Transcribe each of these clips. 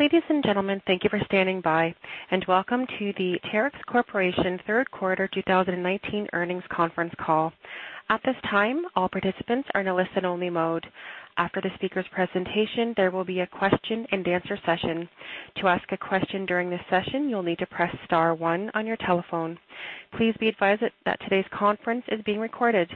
Ladies and gentlemen, thank you for standing by, and welcome to the Terex Corporation 3rd quarter 2019 earnings conference call. At this time, all participants are in a listen-only mode. After the speaker's presentation, there will be a question and answer session. To ask a question during this session, you'll need to press star 1 on your telephone. Please be advised that today's conference is being recorded.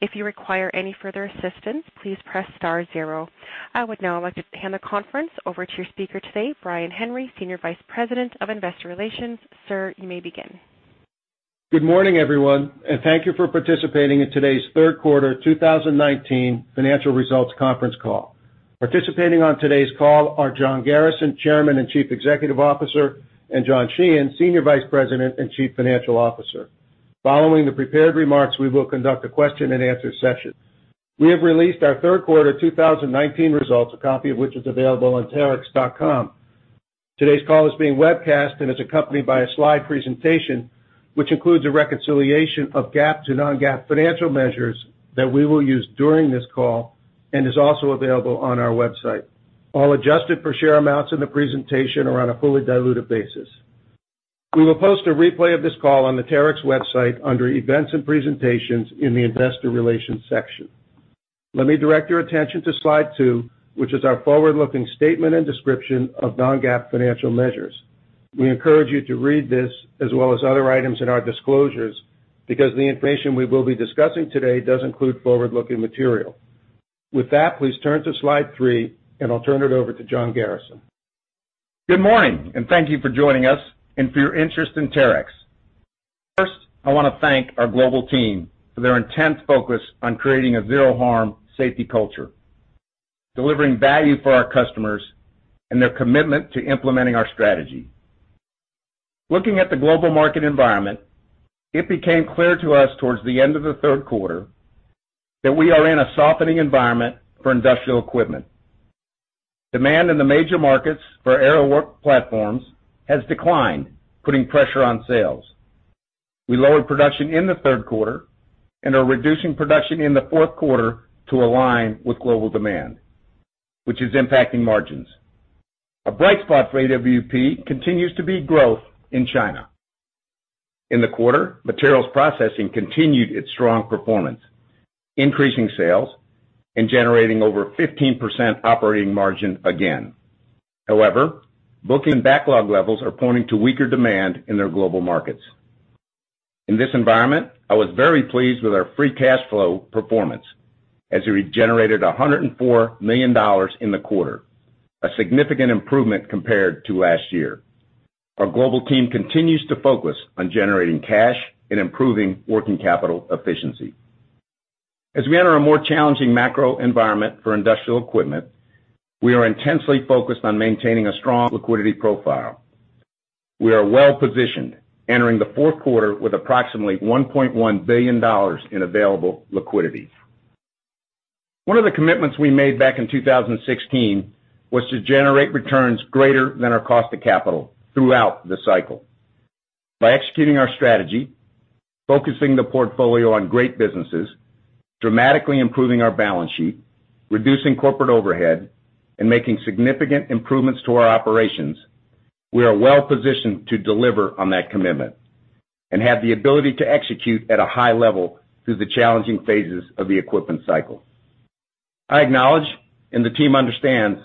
If you require any further assistance, please press star 0. I would now like to hand the conference over to your speaker today, Brian Henry, Senior Vice President of Investor Relations. Sir, you may begin. Good morning, everyone, and thank you for participating in today's third quarter 2019 financial results conference call. Participating on today's call are John Garrison, Chairman and Chief Executive Officer, and John Sheehan, Senior Vice President and Chief Financial Officer. Following the prepared remarks, we will conduct a question and answer session. We have released our third quarter 2019 results, a copy of which is available on terex.com. Today's call is being webcast and is accompanied by a slide presentation, which includes a reconciliation of GAAP to non-GAAP financial measures that we will use during this call and is also available on our website. All adjusted per share amounts in the presentation are on a fully diluted basis. We will post a replay of this call on the Terex website under Events and Presentations in the Investor Relations section. Let me direct your attention to slide two, which is our forward-looking statement and description of non-GAAP financial measures. We encourage you to read this as well as other items in our disclosures because the information we will be discussing today does include forward-looking material. With that, please turn to slide three and I'll turn it over to John Garrison. Good morning. Thank you for joining us and for your interest in Terex. First, I want to thank our global team for their intense focus on creating a zero harm safety culture, delivering value for our customers, and their commitment to implementing our strategy. Looking at the global market environment, it became clear to us towards the end of the third quarter that we are in a softening environment for industrial equipment. Demand in the major markets for Aerial Work Platforms has declined, putting pressure on sales. We lowered production in the third quarter and are reducing production in the fourth quarter to align with global demand, which is impacting margins. A bright spot for AWP continues to be growth in China. In the quarter, Materials Processing continued its strong performance, increasing sales and generating over 15% operating margin again. However, booking backlog levels are pointing to weaker demand in their global markets. In this environment, I was very pleased with our free cash flow performance as we generated $104 million in the quarter, a significant improvement compared to last year. Our global team continues to focus on generating cash and improving working capital efficiency. As we enter a more challenging macro environment for industrial equipment, we are intensely focused on maintaining a strong liquidity profile. We are well positioned entering the fourth quarter with approximately $1.1 billion in available liquidity. One of the commitments we made back in 2016 was to generate returns greater than our cost of capital throughout the cycle. By executing our strategy, focusing the portfolio on great businesses, dramatically improving our balance sheet, reducing corporate overhead, and making significant improvements to our operations, we are well positioned to deliver on that commitment and have the ability to execute at a high level through the challenging phases of the equipment cycle. I acknowledge, and the team understands,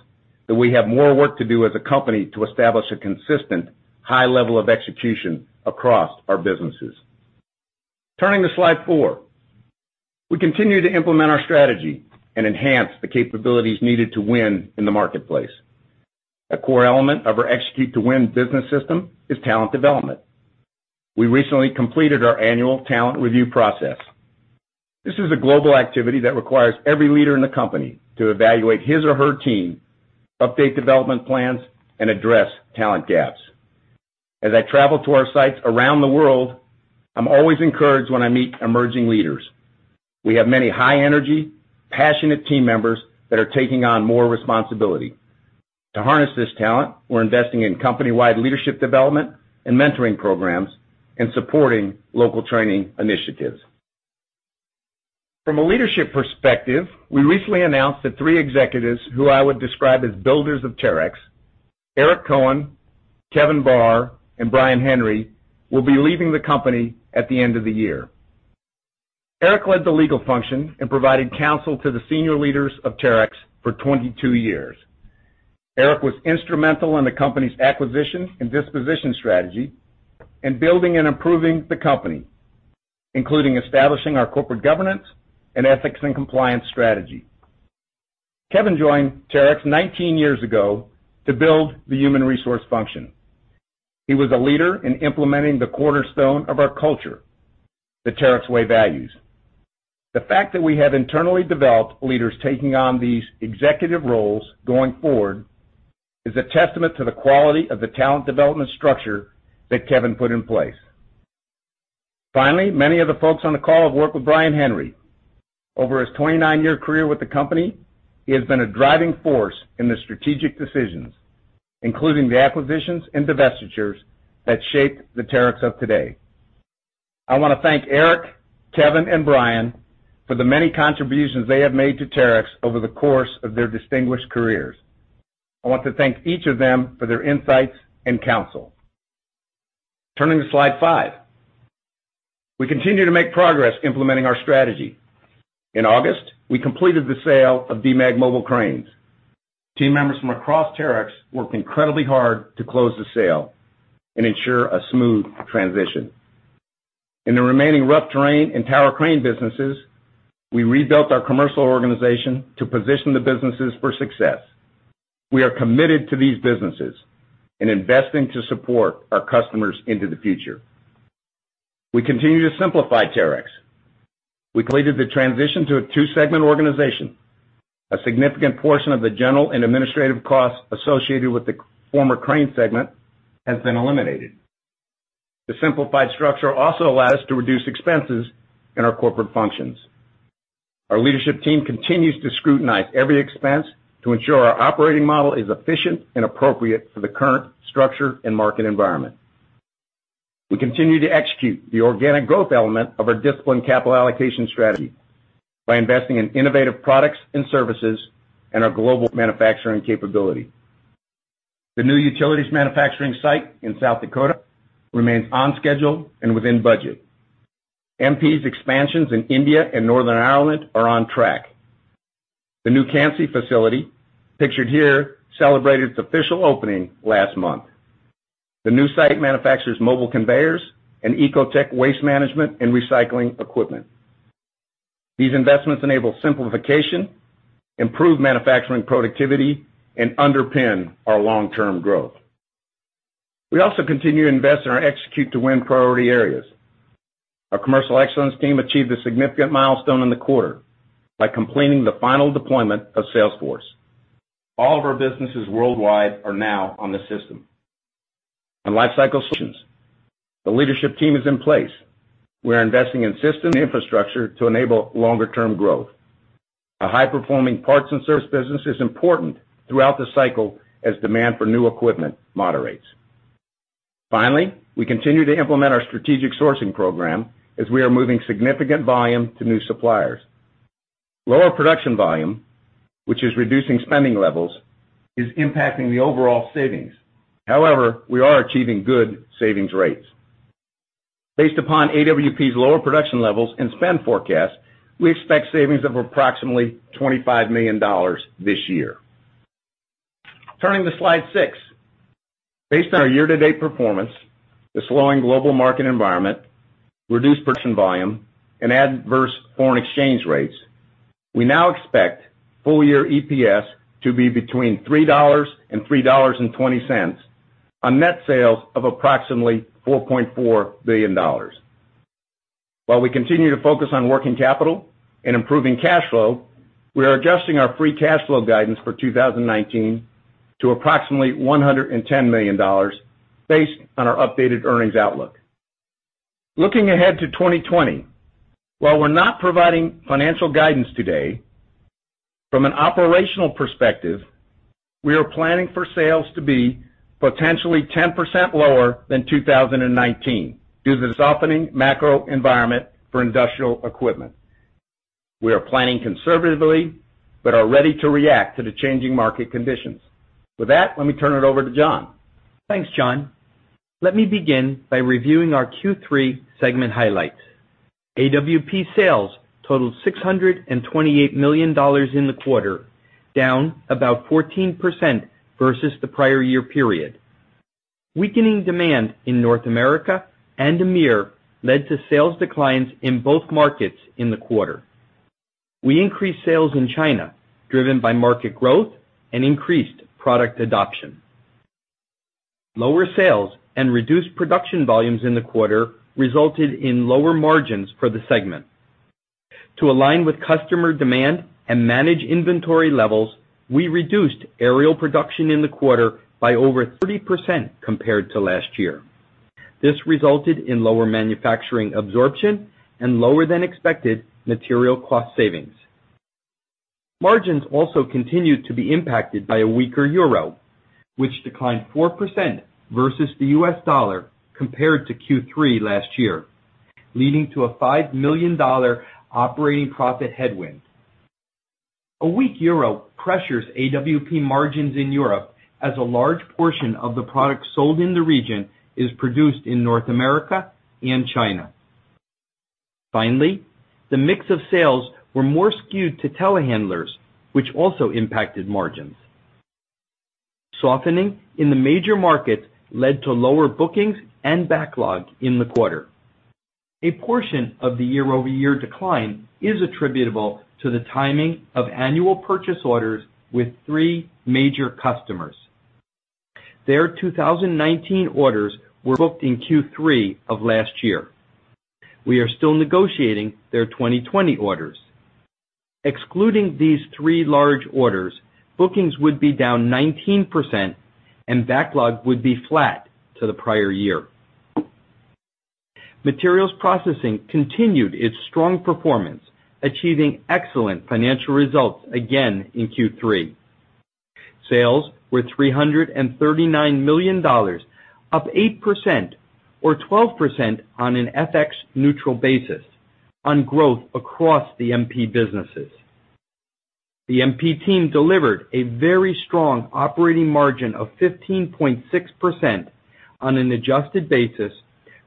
that we have more work to do as a company to establish a consistent high level of execution across our businesses. Turning to slide four. We continue to implement our strategy and enhance the capabilities needed to win in the marketplace. A core element of our Execute to Win business system is talent development. We recently completed our annual talent review process. This is a global activity that requires every leader in the company to evaluate his or her team, update development plans, and address talent gaps. As I travel to our sites around the world, I'm always encouraged when I meet emerging leaders. We have many high energy, passionate team members that are taking on more responsibility. To harness this talent, we're investing in company-wide leadership development and mentoring programs and supporting local training initiatives. From a leadership perspective, we recently announced that three executives who I would describe as builders of Terex, Eric Cohen, Kevin Barr, and Brian Henry, will be leaving the company at the end of the year. Eric led the legal function and provided counsel to the senior leaders of Terex for 22 years. Eric was instrumental in the company's acquisition and disposition strategy and building and improving the company, including establishing our corporate governance and ethics and compliance strategy. Kevin joined Terex 19 years ago to build the human resource function. He was a leader in implementing the cornerstone of our culture, the Terex Way values. The fact that we have internally developed leaders taking on these executive roles going forward is a testament to the quality of the talent development structure that Kevin put in place. Many of the folks on the call have worked with Brian Henry. Over his 29-year career with the company, he has been a driving force in the strategic decisions, including the acquisitions and divestitures that shaped the Terex of today. I want to thank Eric, Kevin, and Brian for the many contributions they have made to Terex over the course of their distinguished careers. I want to thank each of them for their insights and counsel. Turning to slide five. We continue to make progress implementing our strategy. In August, we completed the sale of Demag Mobile Cranes. Team members from across Terex worked incredibly hard to close the sale and ensure a smooth transition. In the remaining rough terrain and tower crane businesses, we rebuilt our commercial organization to position the businesses for success. We are committed to these businesses and investing to support our customers into the future. We continue to simplify Terex. We completed the transition to a two-segment organization. A significant portion of the general and administrative costs associated with the former crane segment has been eliminated. The simplified structure also allowed us to reduce expenses in our corporate functions. Our leadership team continues to scrutinize every expense to ensure our operating model is efficient and appropriate for the current structure and market environment. We continue to execute the organic growth element of our disciplined capital allocation strategy by investing in innovative products and services and our global manufacturing capability. The new Terex Utilities manufacturing site in South Dakota remains on schedule and within budget. MP's expansions in India and Northern Ireland are on track. The new Campsie facility, pictured here, celebrated its official opening last month. The new site manufactures mobile conveyors and Ecotec waste management and recycling equipment. These investments enable simplification, improve manufacturing productivity, and underpin our long-term growth. We also continue to invest in our Execute to Win priority areas. Our commercial excellence team achieved a significant milestone in the quarter by completing the final deployment of Salesforce. All of our businesses worldwide are now on the system. On lifecycle solutions, the leadership team is in place. We're investing in systems and infrastructure to enable longer-term growth. A high-performing parts and service business is important throughout the cycle as demand for new equipment moderates. Finally, we continue to implement our strategic sourcing program as we are moving significant volume to new suppliers. Lower production volume, which is reducing spending levels, is impacting the overall savings. However, we are achieving good savings rates. Based upon AWP's lower production levels and spend forecast, we expect savings of approximately $25 million this year. Turning to slide six. Based on our year-to-date performance, the slowing global market environment, reduced production volume, and adverse foreign exchange rates, we now expect full-year EPS to be between $3 and $3.20 on net sales of approximately $4.4 billion. While we continue to focus on working capital and improving cash flow, we are adjusting our free cash flow guidance for 2019 to approximately $110 million based on our updated earnings outlook. Looking ahead to 2020, while we're not providing financial guidance today, from an operational perspective, we are planning for sales to be potentially 10% lower than 2019 due to the softening macro environment for industrial equipment. We are planning conservatively but are ready to react to the changing market conditions. With that, let me turn it over to John. Thanks, John. Let me begin by reviewing our Q3 segment highlights. AWP sales totaled $628 million in the quarter, down about 14% versus the prior year period. Weakening demand in North America and EMEA led to sales declines in both markets in the quarter. We increased sales in China, driven by market growth and increased product adoption. Lower sales and reduced production volumes in the quarter resulted in lower margins for the segment. To align with customer demand and manage inventory levels, we reduced aerial production in the quarter by over 30% compared to last year. This resulted in lower manufacturing absorption and lower than expected material cost savings. Margins also continued to be impacted by a weaker euro, which declined 4% versus the US dollar compared to Q3 last year, leading to a $5 million operating profit headwind. A weak euro pressures AWP margins in Europe as a large portion of the products sold in the region is produced in North America and China. The mix of sales were more skewed to telehandlers, which also impacted margins. Softening in the major markets led to lower bookings and backlog in the quarter. A portion of the year-over-year decline is attributable to the timing of annual purchase orders with three major customers. Their 2019 orders were booked in Q3 of last year. We are still negotiating their 2020 orders. Excluding these three large orders, bookings would be down 19% and backlog would be flat to the prior year. Materials Processing continued its strong performance, achieving excellent financial results again in Q3. Sales were $339 million, up 8%, or 12% on an FX neutral basis, on growth across the MP businesses. The MP team delivered a very strong operating margin of 15.6% on an adjusted basis,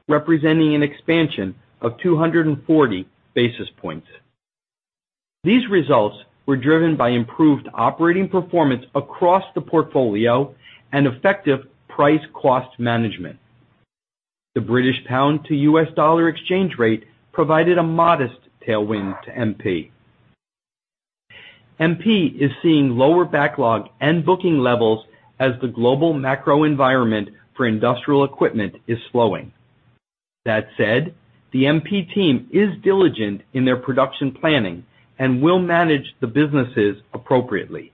representing an expansion of 240 basis points. These results were driven by improved operating performance across the portfolio and effective price cost management. The British pound to US dollar exchange rate provided a modest tailwind to MP. MP is seeing lower backlog and booking levels as the global macro environment for industrial equipment is slowing. That said, the MP team is diligent in their production planning and will manage the businesses appropriately.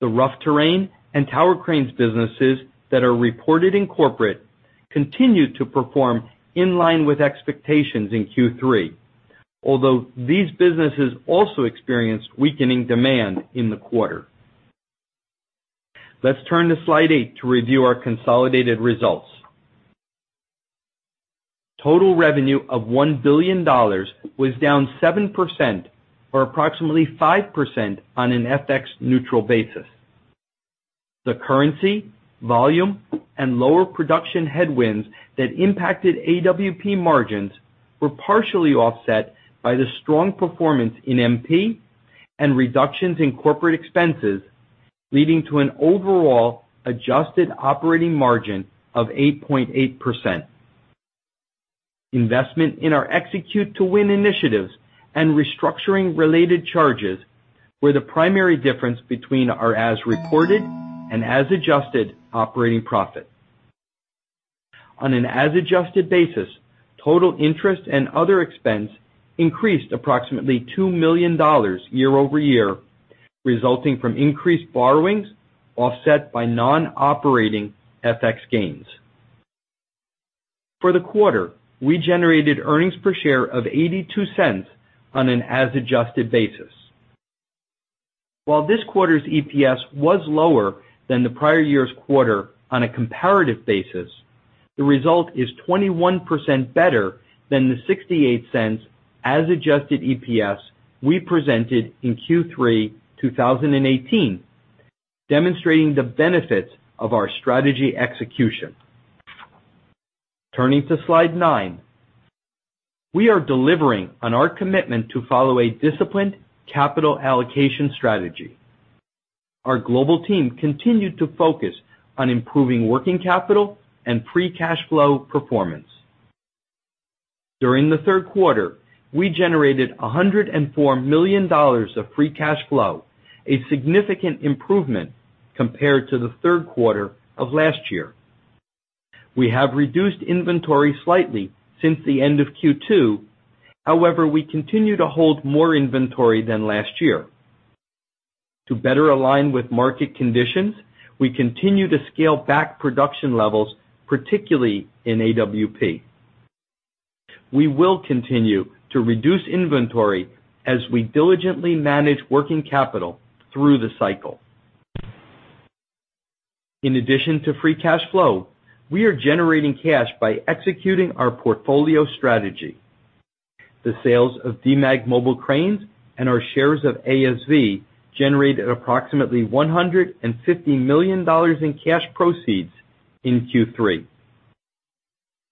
The rough terrain and tower cranes businesses that are reported in corporate continued to perform in line with expectations in Q3, although these businesses also experienced weakening demand in the quarter. Let's turn to slide eight to review our consolidated results. Total revenue of $1 billion was down 7%, or approximately 5% on an FX neutral basis. The currency, volume, and lower production headwinds that impacted AWP margins were partially offset by the strong performance in MP and reductions in corporate expenses, leading to an overall adjusted operating margin of 8.8%. Investment in our Execute to Win initiatives and restructuring related charges were the primary difference between our as reported and as adjusted operating profit. On an as adjusted basis, total interest and other expense increased approximately $2 million year-over-year, resulting from increased borrowings offset by non-operating FX gains. For the quarter, we generated earnings per share of $0.82 on an as adjusted basis. While this quarter's EPS was lower than the prior year's quarter on a comparative basis, the result is 21% better than the $0.68 as adjusted EPS we presented in Q3 2018, demonstrating the benefits of our strategy execution. Turning to slide nine, we are delivering on our commitment to follow a disciplined capital allocation strategy. Our global team continued to focus on improving working capital and free cash flow performance. During the third quarter, we generated $104 million of free cash flow, a significant improvement compared to the third quarter of last year. We have reduced inventory slightly since the end of Q2. However, we continue to hold more inventory than last year. To better align with market conditions, we continue to scale back production levels, particularly in AWP. We will continue to reduce inventory as we diligently manage working capital through the cycle. In addition to free cash flow, we are generating cash by executing our portfolio strategy. The sales of Demag Mobile Cranes and our shares of ASV generated approximately $150 million in cash proceeds in Q3.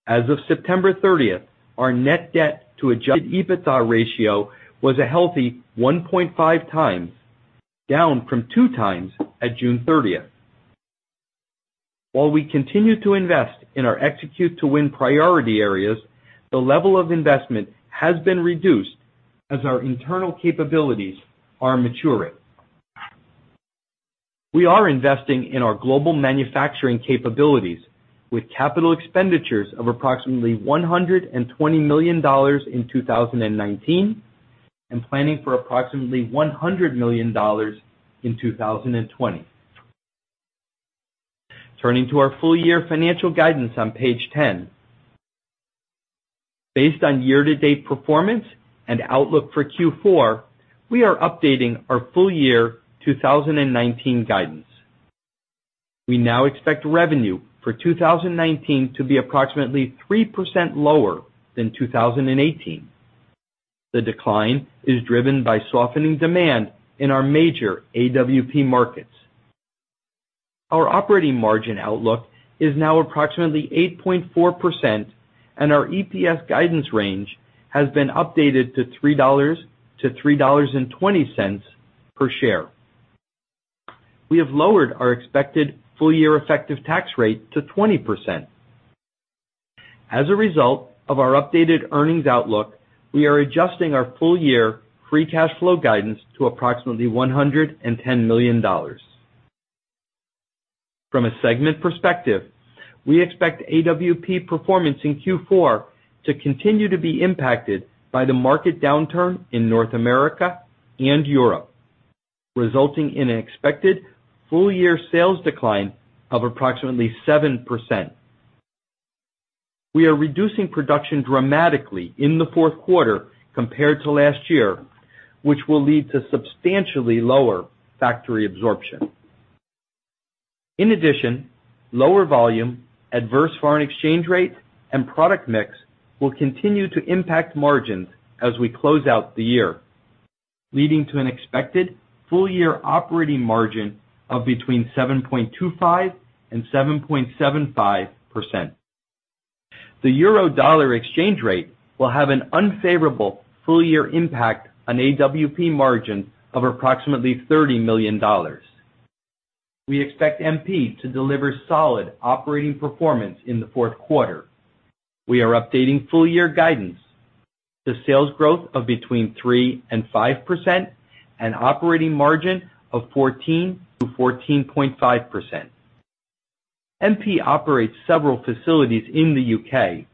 As of September 30th, our net debt to adjusted EBITDA ratio was a healthy 1.5 times, down from two times at June 30th. While we continue to invest in our Execute to Win priority areas, the level of investment has been reduced as our internal capabilities are maturing. We are investing in our global manufacturing capabilities with capital expenditures of approximately $120 million in 2019, and planning for approximately $100 million in 2020. Turning to our full year financial guidance on page 10. Based on year-to-date performance and outlook for Q4, we are updating our full year 2019 guidance. We now expect revenue for 2019 to be approximately 3% lower than 2018. The decline is driven by softening demand in our major AWP markets. Our operating margin outlook is now approximately 8.4%, and our EPS guidance range has been updated to $3 to $3.20 per share. We have lowered our expected full year effective tax rate to 20%. As a result of our updated earnings outlook, we are adjusting our full year free cash flow guidance to approximately $110 million. From a segment perspective, we expect AWP performance in Q4 to continue to be impacted by the market downturn in North America and Europe, resulting in an expected full year sales decline of approximately 7%. We are reducing production dramatically in the fourth quarter compared to last year, which will lead to substantially lower factory absorption. Lower volume, adverse foreign exchange rate, and product mix will continue to impact margins as we close out the year, leading to an expected full year operating margin of between 7.25% and 7.75%. The EUR/USD exchange rate will have an unfavorable full year impact on AWP margin of approximately $30 million. We expect MP to deliver solid operating performance in the fourth quarter. We are updating full year guidance to sales growth of between 3% and 5%, and operating margin of 14%-14.5%. MP operates several facilities in the U.K.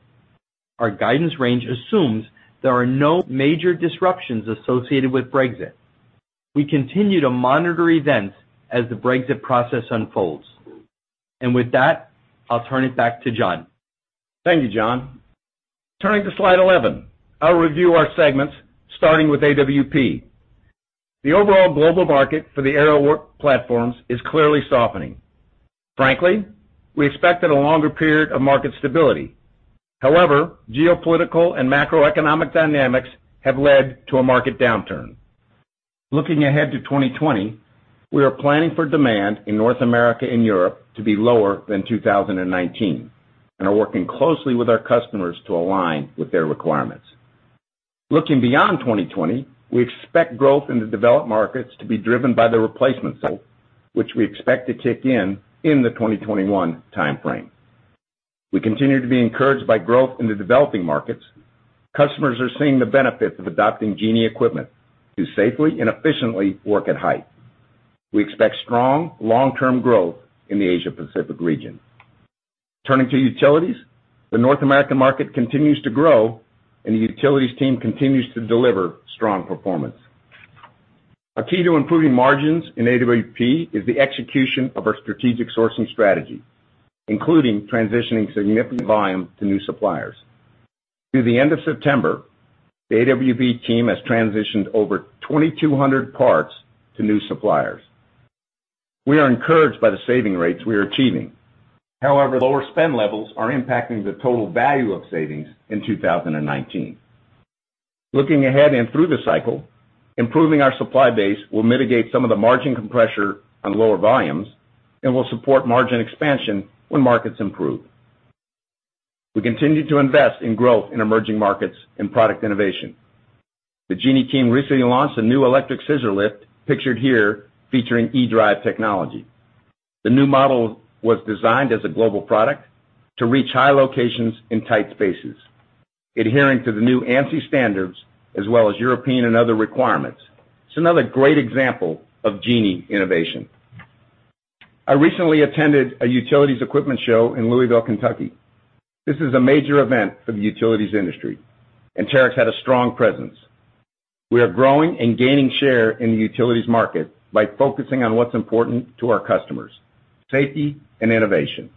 Our guidance range assumes there are no major disruptions associated with Brexit. We continue to monitor events as the Brexit process unfolds. With that, I'll turn it back to John. Thank you, John. Turning to slide 11, I'll review our segments, starting with AWP. The overall global market for the Aerial Work Platforms is clearly softening. Frankly, we expected a longer period of market stability. However, geopolitical and macroeconomic dynamics have led to a market downturn. Looking ahead to 2020, we are planning for demand in North America and Europe to be lower than 2019, and are working closely with our customers to align with their requirements. Looking beyond 2020, we expect growth in the developed markets to be driven by the replacement sale, which we expect to kick in the 2021 timeframe. We continue to be encouraged by growth in the developing markets. Customers are seeing the benefits of adopting Genie equipment to safely and efficiently work at height. We expect strong long-term growth in the Asia-Pacific region. Turning to Utilities, the North American market continues to grow, and the Utilities team continues to deliver strong performance. A key to improving margins in AWP is the execution of our strategic sourcing strategy, including transitioning significant volume to new suppliers. Through the end of September, the AWP team has transitioned over 2,200 parts to new suppliers. We are encouraged by the saving rates we are achieving. However, lower spend levels are impacting the total value of savings in 2019. Looking ahead and through the cycle, improving our supply base will mitigate some of the margin compression on lower volumes and will support margin expansion when markets improve. We continue to invest in growth in emerging markets and product innovation. The Genie team recently launched a new electric scissor lift, pictured here, featuring E-Drive technology. The new model was designed as a global product to reach high locations in tight spaces, adhering to the new ANSI standards as well as European and other requirements. It's another great example of Genie innovation. I recently attended a utilities equipment show in Louisville, Kentucky. This is a major event for the utilities industry, and Terex had a strong presence. We are growing and gaining share in the utilities market by focusing on what's important to our customers, safety and innovation.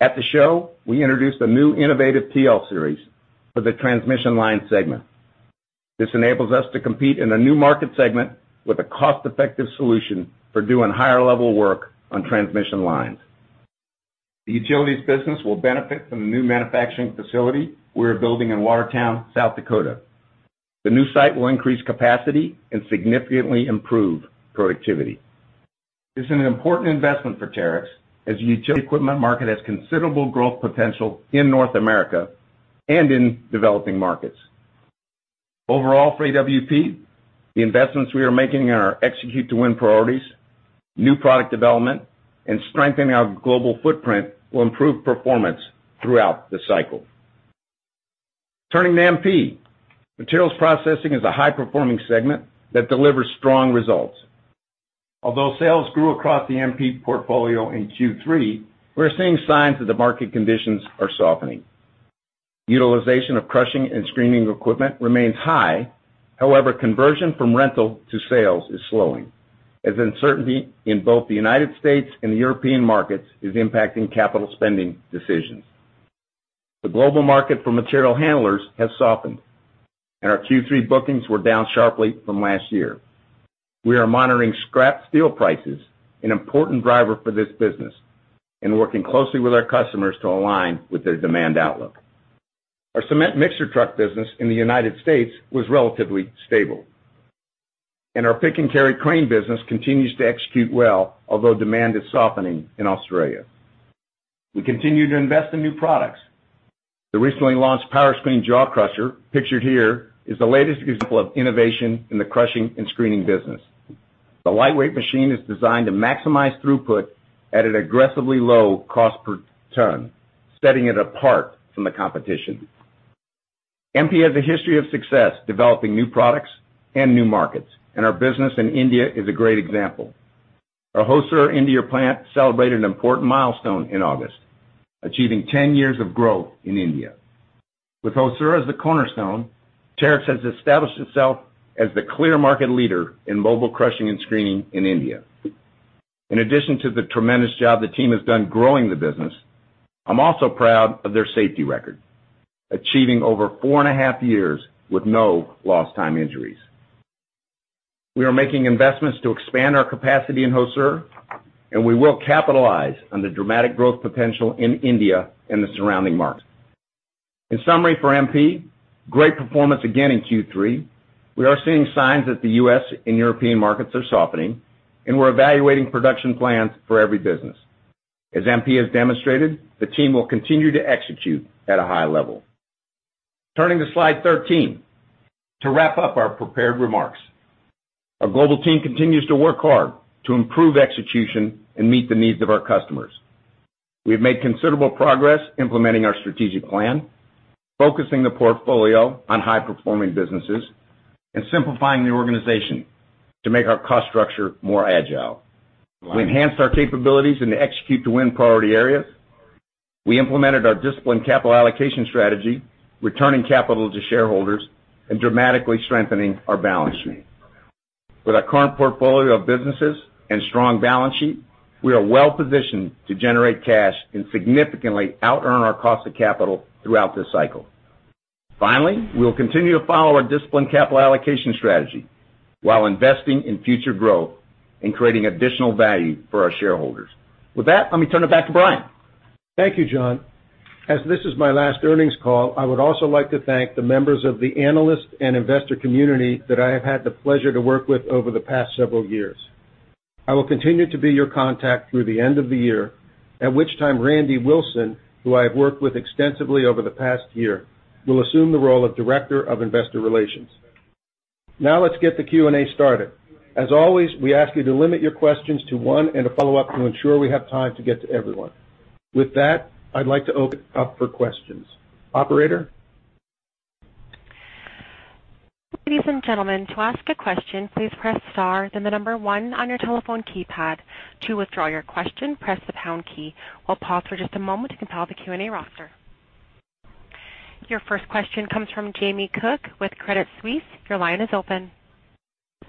At the show, we introduced a new innovative TL Series for the transmission line segment. This enables us to compete in a new market segment with a cost-effective solution for doing higher level work on transmission lines. The utilities business will benefit from the new manufacturing facility we're building in Watertown, South Dakota. The new site will increase capacity and significantly improve productivity. This is an important investment for Terex as the utility equipment market has considerable growth potential in North America and in developing markets. Overall for AWP, the investments we are making in our Execute to Win priorities, new product development, and strengthening our global footprint will improve performance throughout the cycle. Turning to MP. Materials Processing is a high-performing segment that delivers strong results. Although sales grew across the MP portfolio in Q3, we're seeing signs that the market conditions are softening. Utilization of crushing and screening equipment remains high. However, conversion from rental to sales is slowing as uncertainty in both the U.S. and the European markets is impacting capital spending decisions. The global market for material handlers has softened, and our Q3 bookings were down sharply from last year. We are monitoring scrap steel prices, an important driver for this business, and working closely with our customers to align with their demand outlook. Our cement mixer truck business in the U.S. was relatively stable, our pick and carry crane business continues to execute well, although demand is softening in Australia. We continue to invest in new products. The recently launched Powerscreen jaw crusher, pictured here, is the latest example of innovation in the crushing and screening business. The lightweight machine is designed to maximize throughput at an aggressively low cost per ton, setting it apart from the competition. MP has a history of success developing new products and new markets, our business in India is a great example. Our Hosur, India plant celebrated an important milestone in August. Achieving 10 years of growth in India. With Hosur as the cornerstone, Terex has established itself as the clear market leader in mobile crushing and screening in India. In addition to the tremendous job the team has done growing the business, I'm also proud of their safety record, achieving over 4.5 years with no lost time injuries. We are making investments to expand our capacity in Hosur, and we will capitalize on the dramatic growth potential in India and the surrounding markets. In summary for MP, great performance again in Q3. We are seeing signs that the U.S. and European markets are softening, and we're evaluating production plans for every business. As MP has demonstrated, the team will continue to execute at a high level. Turning to slide 13. To wrap up our prepared remarks, our global team continues to work hard to improve execution and meet the needs of our customers. We have made considerable progress implementing our strategic plan, focusing the portfolio on high-performing businesses, and simplifying the organization to make our cost structure more agile. We enhanced our capabilities and Execute to Win priority areas. We implemented our disciplined capital allocation strategy, returning capital to shareholders, and dramatically strengthening our balance sheet. With our current portfolio of businesses and strong balance sheet, we are well-positioned to generate cash and significantly out-earn our cost of capital throughout this cycle. We will continue to follow our disciplined capital allocation strategy while investing in future growth and creating additional value for our shareholders. With that, let me turn it back to Brian. Thank you, John. As this is my last earnings call, I would also like to thank the members of the analyst and investor community that I have had the pleasure to work with over the past several years. I will continue to be your contact through the end of the year, at which time Randy Wilson, who I have worked with extensively over the past year, will assume the role of director of investor relations. Let's get the Q&A started. As always, we ask you to limit your questions to one and a follow-up to ensure we have time to get to everyone. With that, I'd like to open it up for questions. Operator? Ladies and gentlemen, to ask a question, please press star, then the number one on your telephone keypad. To withdraw your question, press the pound key. We'll pause for just a moment to compile the Q&A roster. Your first question comes from Jamie Cook with Credit Suisse. Your line is open.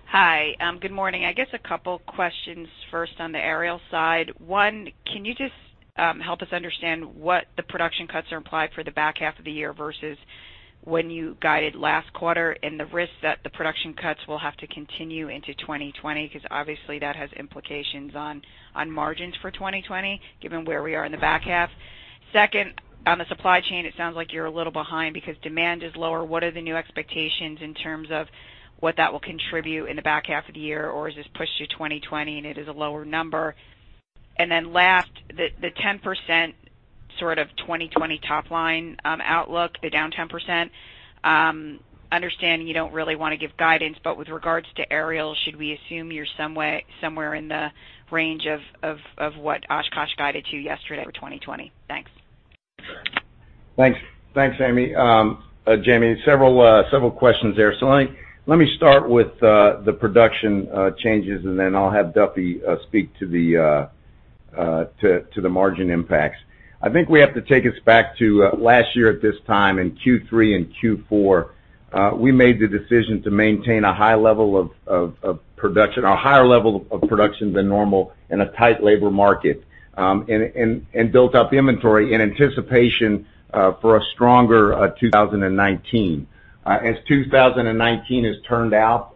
Hi. Good morning. I guess a couple questions first on the Aerial side. One, can you just help us understand what the production cuts are implied for the back half of the year versus when you guided last quarter, and the risk that the production cuts will have to continue into 2020? Obviously, that has implications on margins for 2020, given where we are in the back half. Second, on the supply chain, it sounds like you're a little behind because demand is lower. What are the new expectations in terms of what that will contribute in the back half of the year? Is this pushed to 2020 and it is a lower number? Last, the 10% sort of 2020 top-line outlook, the down 10%. Understanding you don't really want to give guidance, with regards to Aerial, should we assume you're somewhere in the range of what Oshkosh guided to yesterday for 2020? Thanks. Thanks, Jamie. Several questions there. Let me start with the production changes, and then I'll have Duffy speak to the margin impacts. I think we have to take us back to last year at this time in Q3 and Q4. We made the decision to maintain a higher level of production than normal in a tight labor market, and built up inventory in anticipation for a stronger 2019. As 2019 has turned out,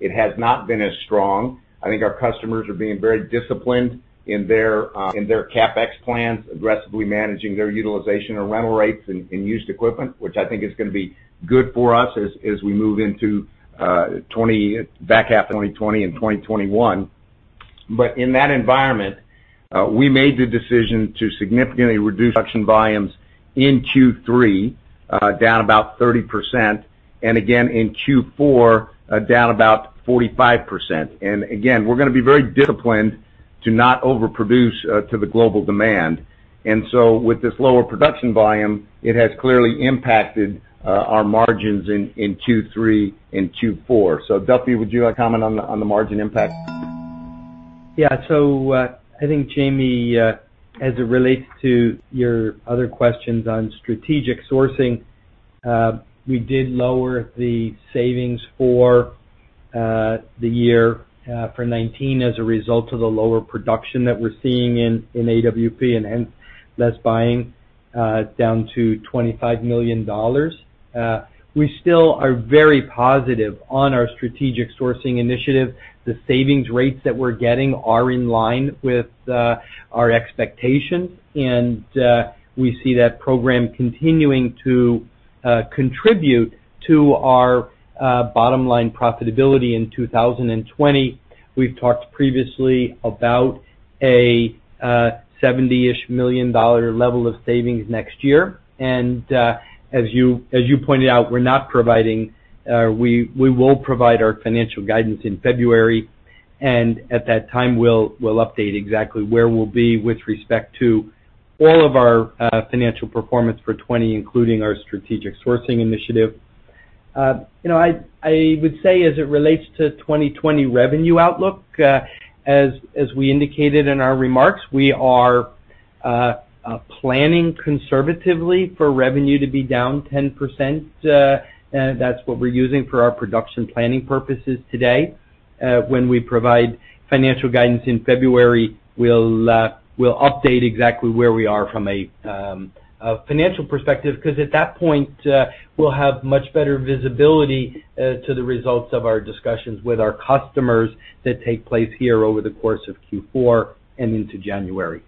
it has not been as strong. I think our customers are being very disciplined in their CapEx plans, aggressively managing their utilization or rental rates in used equipment, which I think is going to be good for us as we move into back half 2020 and 2021. In that environment, we made the decision to significantly reduce production volumes in Q3, down about 30%, and again in Q4, down about 45%. Again, we're going to be very disciplined to not overproduce to the global demand. With this lower production volume, it has clearly impacted our margins in Q3 and Q4. Duffy, would you like comment on the margin impact? I think, Jamie, as it relates to your other questions on strategic sourcing, we did lower the savings for the year for 2019 as a result of the lower production that we're seeing in AWP and hence less buying down to $25 million. We still are very positive on our strategic sourcing initiative. The savings rates that we're getting are in line with our expectations, and we see that program continuing to contribute to our bottom-line profitability in 2020. We've talked previously about a $70-ish million level of savings next year. As you pointed out, we will provide our financial guidance in February, and at that time, we'll update exactly where we'll be with respect to all of our financial performance for 2020, including our strategic sourcing initiative. I would say as it relates to 2020 revenue outlook, as we indicated in our remarks, we are planning conservatively for revenue to be down 10%. That's what we're using for our production planning purposes today. When we provide financial guidance in February, we'll update exactly where we are from a financial perspective, because at that point, we'll have much better visibility to the results of our discussions with our customers that take place here over the course of Q4 and into January.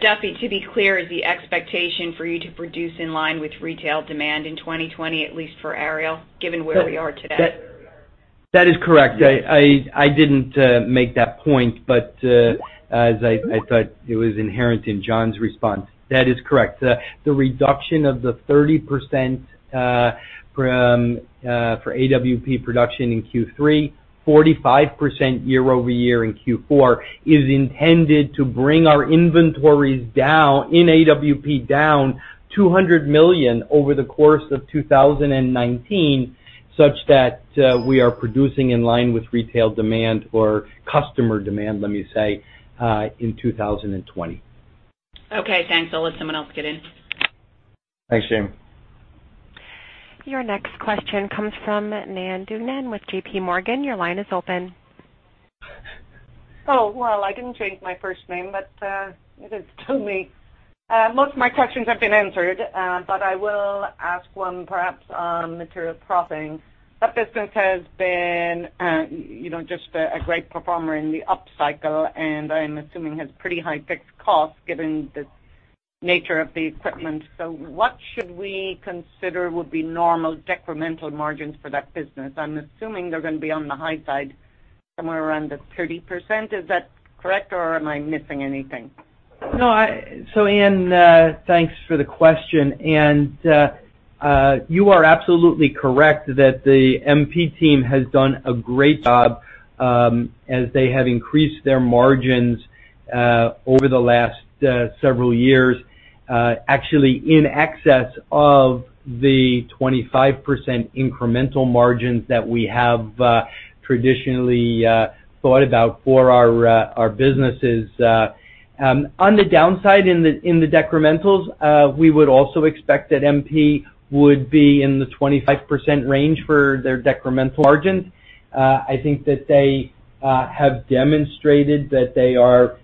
Duffy, to be clear, is the expectation for you to produce in line with retail demand in 2020, at least for Aerial, given where we are today? That is correct. I didn't make that point, as I thought it was inherent in John's response. That is correct. The reduction of the 30% for AWP production in Q3, 45% year-over-year in Q4, is intended to bring our inventories in AWP down $200 million over the course of 2019, such that we are producing in line with retail demand or customer demand, let me say, in 2020. Okay, thanks. I'll let someone else get in. Thanks, Jamie. Your next question comes from Ann Duignan with JPMorgan. Your line is open. Well, I didn't change my first name, but it is still me. Most of my questions have been answered, but I will ask one perhaps on Material Processing. That business has been just a great performer in the up cycle, and I'm assuming has pretty high fixed costs given the nature of the equipment. What should we consider would be normal decremental margins for that business? I'm assuming they're going to be on the high side, somewhere around the 30%. Is that correct, or am I missing anything? No. Ann, thanks for the question. You are absolutely correct that the MP team has done a great job, as they have increased their margins over the last several years. Actually, in excess of the 25% incremental margins that we have traditionally thought about for our businesses. On the downside, in the decrementals, we would also expect that MP would be in the 25% range for their decremental margins. I think that they have demonstrated that they are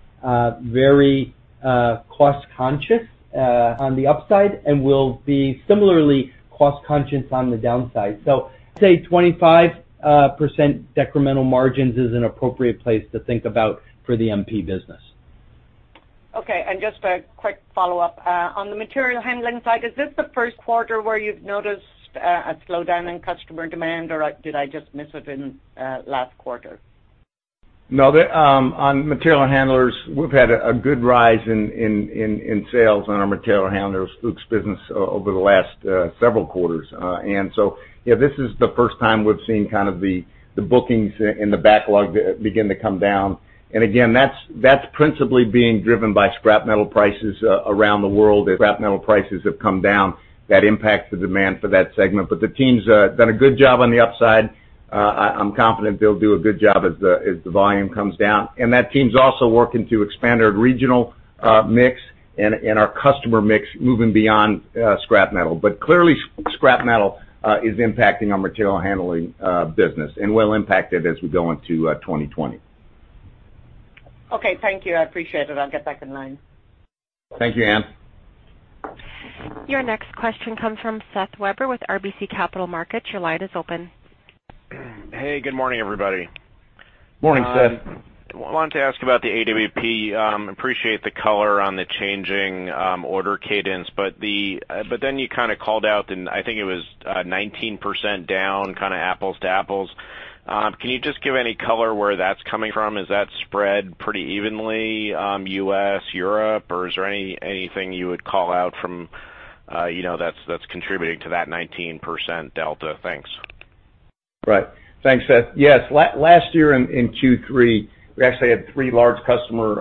very cost-conscious on the upside and will be similarly cost-conscious on the downside. I'd say 25% decremental margins is an appropriate place to think about for the MP business. Okay, just a quick follow-up. On the material handling side, is this the first quarter where you've noticed a slowdown in customer demand, or did I just miss it in last quarter? No. On material handlers, we've had a good rise in sales on our material handlers Fuchs business over the last several quarters. Yeah, this is the first time we've seen kind of the bookings and the backlog begin to come down. Again, that's principally being driven by scrap metal prices around the world. As scrap metal prices have come down, that impacts the demand for that segment. The team's done a good job on the upside. I'm confident they'll do a good job as the volume comes down. That team's also working to expand our regional mix and our customer mix moving beyond scrap metal. Clearly, scrap metal is impacting our material handling business, and will impact it as we go into 2020. Okay, thank you. I appreciate it. I'll get back in line. Thank you, Ann. Your next question comes from Seth Weber with RBC Capital Markets. Your line is open. Hey, good morning, everybody. Morning, Seth. Wanted to ask about the AWP. Appreciate the color on the changing order cadence. You kind of called out, and I think it was 19% down, kind of apples to apples. Can you just give any color where that's coming from? Is that spread pretty evenly U.S., Europe, or is there anything you would call out from that's contributing to that 19% delta? Thanks. Right. Thanks, Seth. Yes. Last year in Q3, we actually had three large customer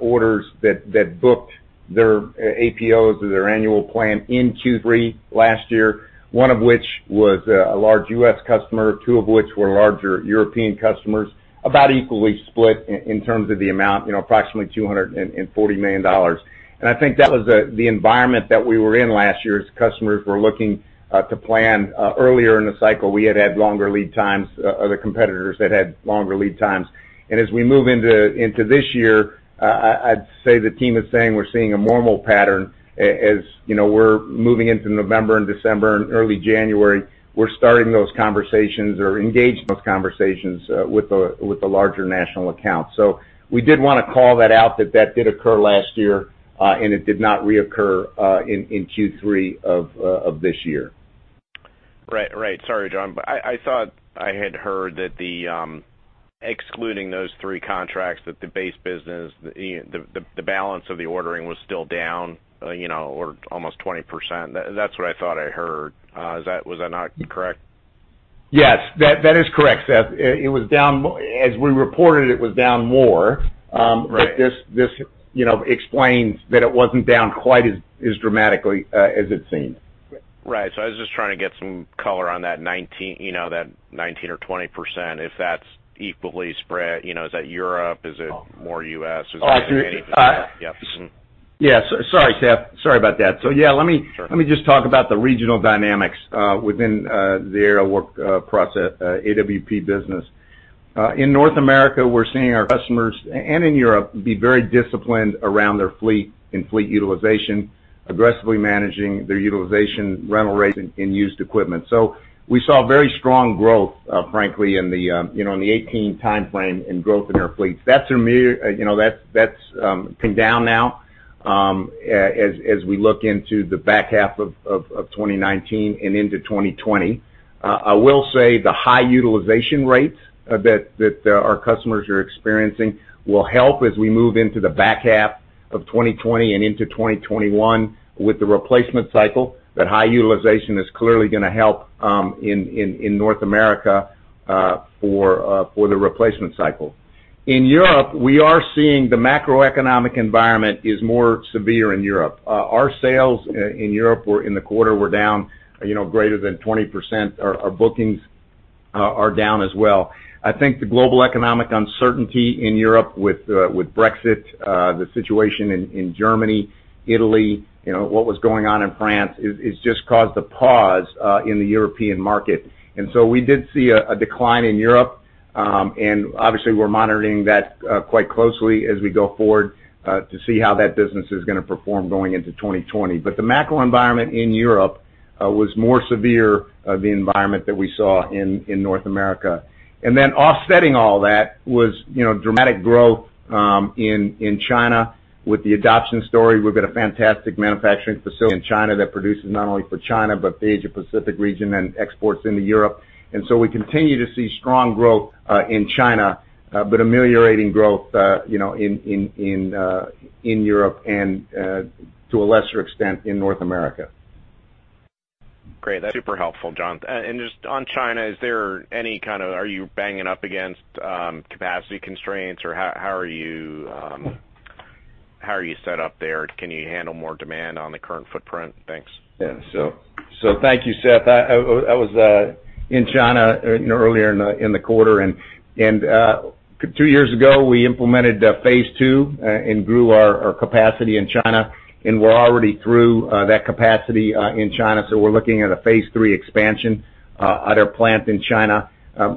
orders that booked their APOs, or their annual plan, in Q3 last year. One of which was a large U.S. customer, two of which were larger European customers. About equally split in terms of the amount, approximately $240 million. I think that was the environment that we were in last year, as customers were looking to plan earlier in the cycle. We had had longer lead times, other competitors that had longer lead times. As we move into this year, I'd say the team is saying we're seeing a normal pattern as we're moving into November and December and early January. We're starting those conversations or engaged those conversations with the larger national accounts. We did want to call that out that that did occur last year, and it did not reoccur in Q3 of this year. Right. Sorry, John. I thought I had heard that excluding those three contracts, that the base business, the balance of the ordering was still down almost 20%. That's what I thought I heard. Was I not correct? Yes. That is correct, Seth. As we reported, it was down more. Right. This explains that it wasn't down quite as dramatically as it seemed. Right. I was just trying to get some color on that 19% or 20%, if that's equally spread. Is that Europe? Is it more U.S.? Is it anything? Yep. Yeah. Sorry, Seth. Sorry about that. Yeah. Sure. Let me just talk about the regional dynamics within the Aerial Work Platforms, AWP business. In North America, we're seeing our customers, and in Europe, be very disciplined around their fleet and fleet utilization, aggressively managing their utilization rental rates in used equipment. We saw very strong growth, frankly, in the 2018 timeframe in growth in aerial fleets. That's come down now, as we look into the back half of 2019 and into 2020. I will say the high utilization rates that our customers are experiencing will help as we move into the back half of 2020 and into 2021 with the replacement cycle. That high utilization is clearly going to help in North America for the replacement cycle. In Europe, we are seeing the macroeconomic environment is more severe in Europe. Our sales in Europe in the quarter were down greater than 20%. Our bookings are down as well. I think the global economic uncertainty in Europe with Brexit, the situation in Germany, Italy, what was going on in France, has just caused a pause in the European market. We did see a decline in Europe. Obviously, we're monitoring that quite closely as we go forward to see how that business is going to perform going into 2020. The macro environment in Europe was more severe, the environment that we saw in North America. Offsetting all that was dramatic growth in China with the adoption story. We've got a fantastic manufacturing facility in China that produces not only for China, but the Asia Pacific region and exports into Europe. We continue to see strong growth in China, but ameliorating growth in Europe and, to a lesser extent, in North America. Great. That's super helpful, John. Just on China, are you banging up against capacity constraints, or how are you set up there? Can you handle more demand on the current footprint? Thanks. Yeah. Thank you, Seth. I was in China earlier in the quarter. Two years ago, we implemented phase two and grew our capacity in China, and we're already through that capacity in China. We're looking at a phase three expansion at our plant in China.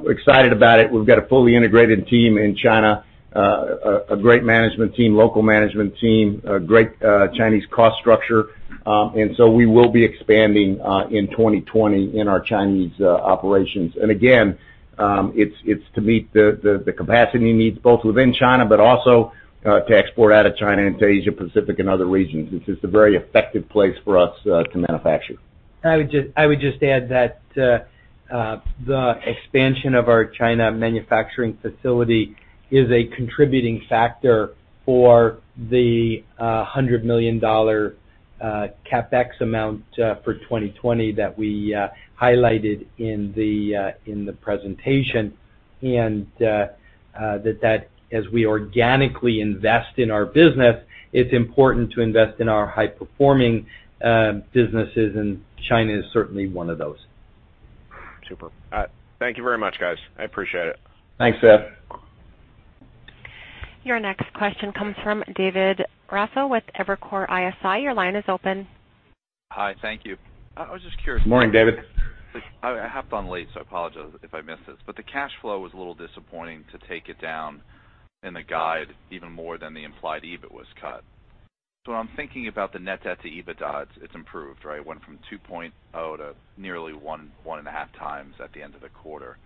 Excited about it. We've got a fully integrated team in China. A great management team, local management team, a great Chinese cost structure. We will be expanding in 2020 in our Chinese operations. Again, it's to meet the capacity needs both within China, but also to export out of China into Asia Pacific and other regions. It's just a very effective place for us to manufacture. I would just add that the expansion of our China manufacturing facility is a contributing factor for the $100 million CapEx amount for 2020 that we highlighted in the presentation. That as we organically invest in our business, it's important to invest in our high-performing businesses, and China is certainly one of those. Super. Thank you very much, guys. I appreciate it. Thanks, Seth. Your next question comes from David Raso with Evercore ISI. Your line is open. Hi, thank you. I was just curious. Morning, David. I hopped on late, I apologize if I missed this. The cash flow was a little disappointing to take it down in the guide even more than the implied EBIT was cut. I'm thinking about the net debt to EBITDA. It's improved, right? It went from 2.0 to nearly 1.5 times at the end of the quarter.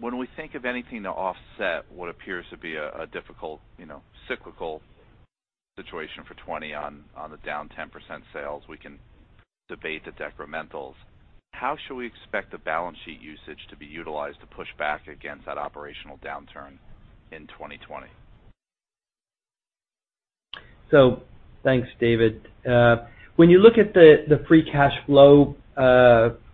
When we think of anything to offset what appears to be a difficult cyclical situation for 2020 on the down 10% sales, we can debate the decrementals. How should we expect the balance sheet usage to be utilized to push back against that operational downturn in 2020? Thanks, David. When you look at the free cash flow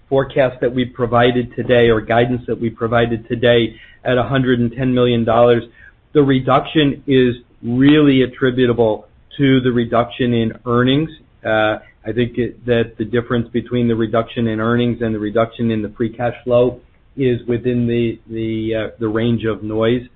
forecast that we provided today or guidance that we provided today at $110 million, the reduction is really attributable to the reduction in earnings. I think that the difference between the reduction in earnings and the reduction in the free cash flow is within the range of noise.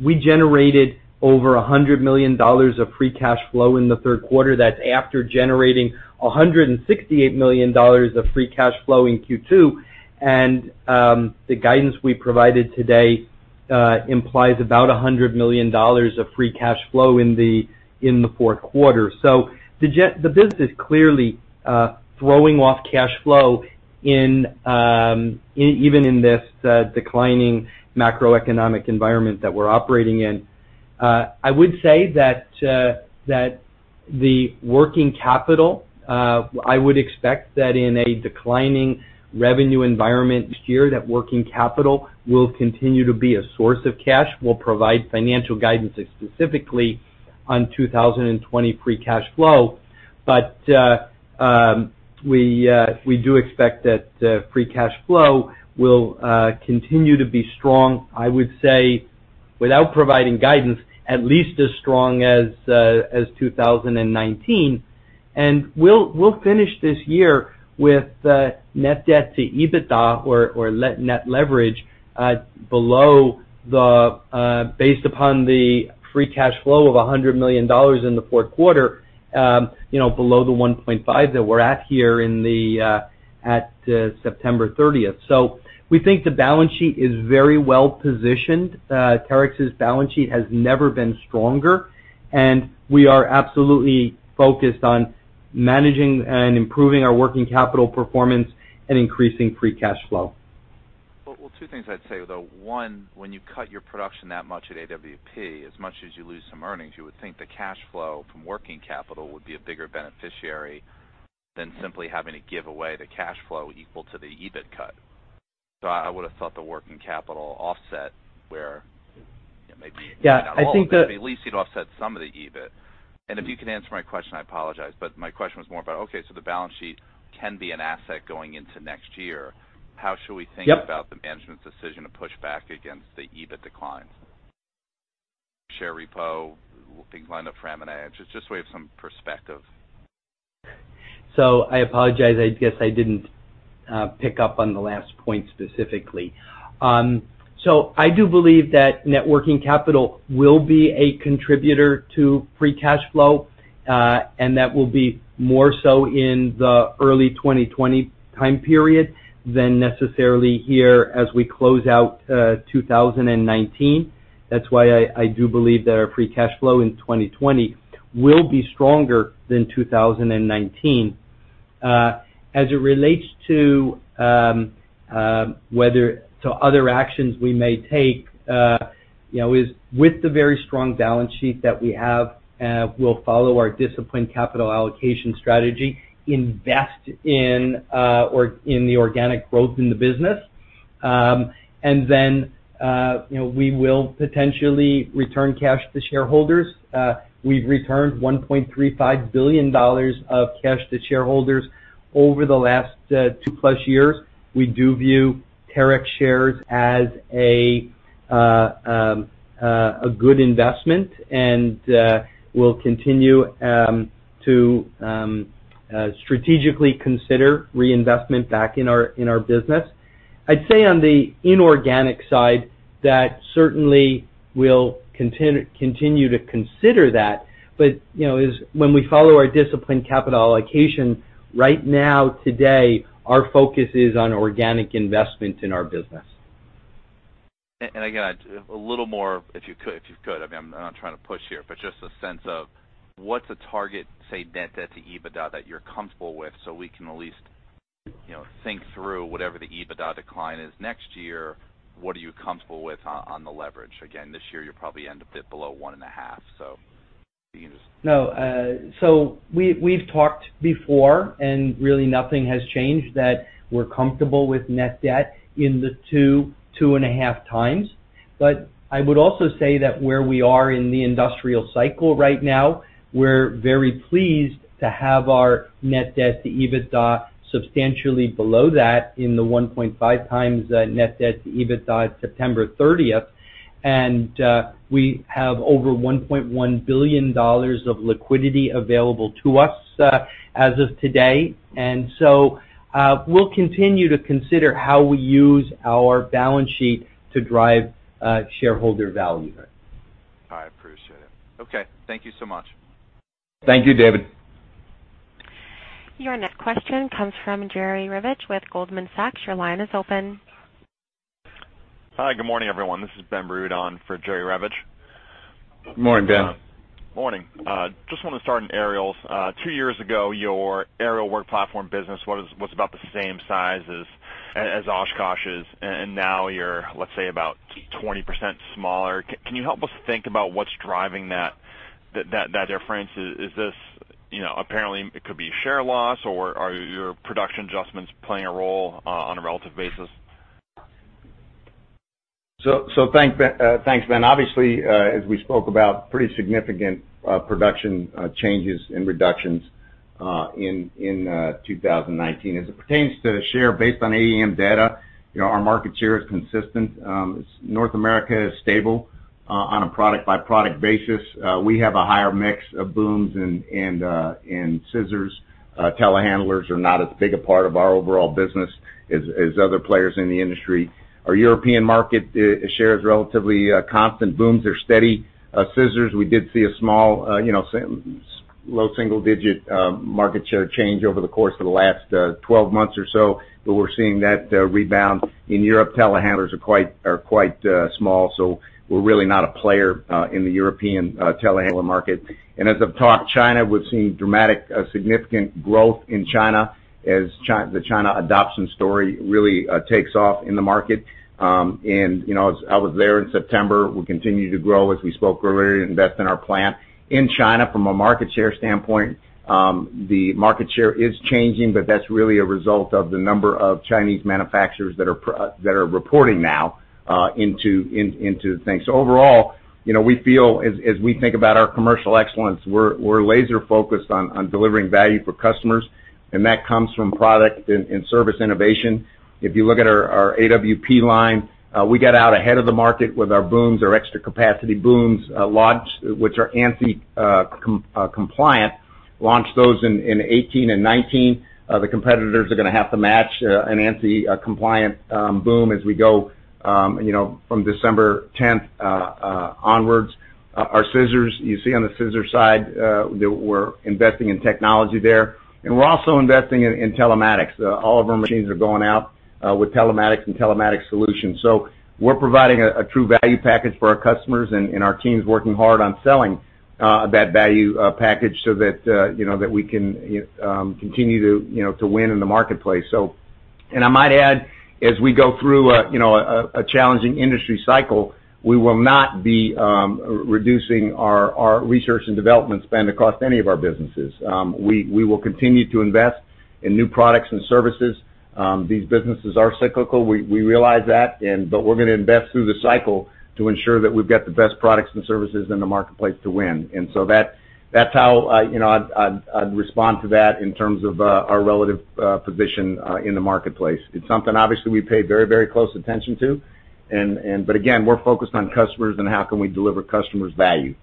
We generated over $100 million of free cash flow in the third quarter. That's after generating $168 million of free cash flow in Q2. The guidance we provided today implies about $100 million of free cash flow in the fourth quarter. The business is clearly throwing off cash flow even in this declining macroeconomic environment that we're operating in. I would say that the working capital, I would expect that in a declining revenue environment this year, that working capital will continue to be a source of cash. We'll provide financial guidance specifically on 2020 free cash flow. We do expect that free cash flow will continue to be strong. I would say, without providing guidance, at least as strong as 2019. We'll finish this year with net debt to EBITDA or net leverage based upon the free cash flow of $100 million in the fourth quarter, below the 1.5 that we're at here at September 30th. We think the balance sheet is very well positioned. Terex's balance sheet has never been stronger, and we are absolutely focused on managing and improving our working capital performance and increasing free cash flow. Well, two things I'd say, though. One, when you cut your production that much at AWP, as much as you lose some earnings, you would think the cash flow from working capital would be a bigger beneficiary than simply having to give away the cash flow equal to the EBIT cut. I would've thought the working capital offset. Yeah. at least you'd offset some of the EBIT. If you could answer my question, I apologize, my question was more about, okay, the balance sheet can be an asset going into next year. Yep. How should we think about the management's decision to push back against the EBIT declines? Share repo, things line up for M&A. Just so we have some perspective. I apologize. I guess I didn't pick up on the last point specifically. I do believe that net working capital will be a contributor to free cash flow. That will be more so in the early 2020 time period than necessarily here as we close out 2019. That's why I do believe that our free cash flow in 2020 will be stronger than 2019. As it relates to other actions we may take, with the very strong balance sheet that we have, we'll follow our disciplined capital allocation strategy, invest in the organic growth in the business. We will potentially return cash to shareholders. We've returned $1.35 billion of cash to shareholders over the last two-plus years. We do view Terex shares as a good investment, we'll continue to strategically consider reinvestment back in our business. I'd say on the inorganic side that certainly we'll continue to consider that. When we follow our disciplined capital allocation, right now, today, our focus is on organic investment in our business. Again, a little more if you could, I'm not trying to push here, but just a sense of what's a target, say, net debt to EBITDA that you're comfortable with so we can at least think through whatever the EBITDA decline is next year. What are you comfortable with on the leverage? This year you'll probably end a bit below 1.5. No. We've talked before, and really nothing has changed, that we're comfortable with net debt in the 2.5 times. I would also say that where we are in the industrial cycle right now, we're very pleased to have our net debt to EBITDA substantially below that in the 1.5 times net debt to EBITDA at September 30th. We have over $1.1 billion of liquidity available to us as of today. We'll continue to consider how we use our balance sheet to drive shareholder value. I appreciate it. Okay. Thank you so much. Thank you, David. Your next question comes from Jerry Revich with Goldman Sachs. Your line is open. Hi, good morning, everyone. This is Ben Rood on for Jerry Revich. Morning, Ben. Morning. Just want to start in Aerial. Two years ago, your Aerial Work Platform business was about the same size as Oshkosh's, now you're, let's say, about 20% smaller. Can you help us think about what's driving that difference? Apparently it could be share loss, or are your production adjustments playing a role on a relative basis? Thanks, Ben. Obviously, as we spoke about, pretty significant production changes and reductions in 2019. As it pertains to share based on AEM data, our market share is consistent. North America is stable on a product-by-product basis. We have a higher mix of booms and scissors. telehandlers are not as big a part of our overall business as other players in the industry. Our European market share is relatively constant. Booms are steady. Scissors, we did see a small low single-digit market share change over the course of the last 12 months or so, but we're seeing that rebound. In Europe, telehandlers are quite small. We're really not a player in the European telehandler market. As I've talked, China, we've seen dramatic significant growth in China as the China adoption story really takes off in the market. I was there in September. We continue to grow, as we spoke earlier, invest in our plant. In China, from a market share standpoint, the market share is changing, but that's really a result of the number of Chinese manufacturers that are reporting now into things. Overall, we feel as we think about our Commercial Excellence, we're laser focused on delivering value for customers. That comes from product and service innovation. If you look at our AWP line, we got out ahead of the market with our booms, our extra capacity booms, which are ANSI compliant, launched those in 2018 and 2019. The competitors are going to have to match an ANSI-compliant boom as we go from December 10th onwards. Our scissors, you see on the scissor side, that we're investing in technology there, and we're also investing in telematics. All of our machines are going out with telematics and telematics solutions. We're providing a true value package for our customers, and our team's working hard on selling that value package so that we can continue to win in the marketplace. I might add, as we go through a challenging industry cycle, we will not be reducing our research and development spend across any of our businesses. We will continue to invest in new products and services. These businesses are cyclical, we realize that. We're going to invest through the cycle to ensure that we've got the best products and services in the marketplace to win. That's how I'd respond to that in terms of our relative position in the marketplace. It's something obviously we pay very close attention to. Again, we're focused on customers and how can we deliver customers value.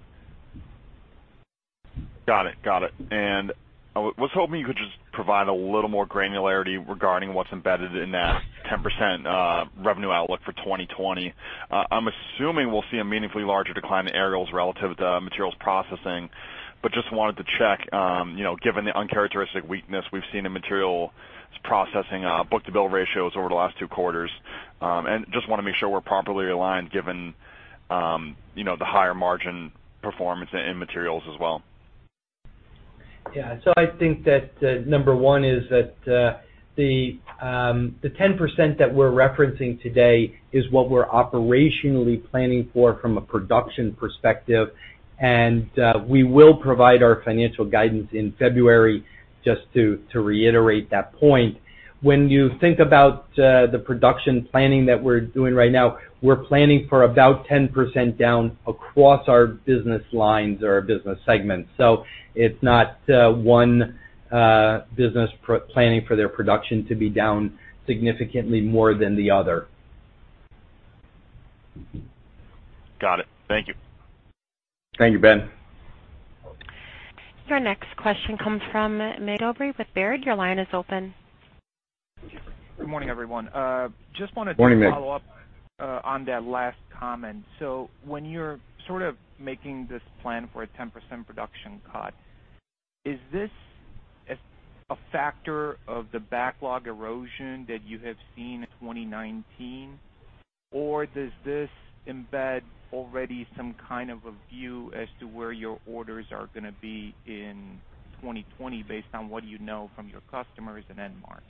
Got it. I was hoping you could just provide a little more granularity regarding what's embedded in that 10% revenue outlook for 2020. I'm assuming we'll see a meaningfully larger decline in Aerials relative to Materials Processing, but just wanted to check, given the uncharacteristic weakness we've seen in Materials Processing book-to-bill ratios over the last two quarters. Just want to make sure we're properly aligned given the higher margin performance in Materials as well. I think that number one is that the 10% that we're referencing today is what we're operationally planning for from a production perspective. We will provide our financial guidance in February, just to reiterate that point. When you think about the production planning that we're doing right now, we're planning for about 10% down across our business lines or our business segments. It's not one business planning for their production to be down significantly more than the other. Got it. Thank you. Thank you, Ben. Your next question comes from Mig Dobre with Baird. Your line is open. Good morning, everyone. Morning, Mig. Just wanted to follow up on that last comment. When you're sort of making this plan for a 10% production cut, is this a factor of the backlog erosion that you have seen in 2019? Does this embed already some kind of a view as to where your orders are going to be in 2020 based on what you know from your customers and end market?